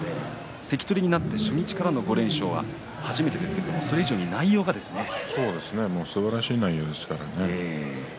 関取になって初日からの５連勝は初めてですけれどすばらしい内容ですからね。